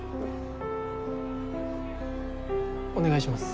お願いします。